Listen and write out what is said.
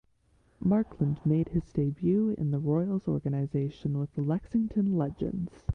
Marklund made his debut in the Royals organization with the Lexington Legends.